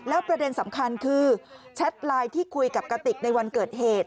แล้วประเด็นสำคัญคือแชทไลน์ที่คุยกับกติกในวันเกิดเหตุ